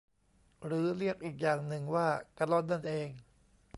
หรือเรียกอีกอย่างหนึ่งว่ากะล่อนนั่นเอง